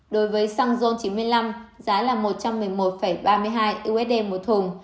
đối với xăng ron chín mươi năm giá là một trăm một mươi một ba mươi hai usd một thùng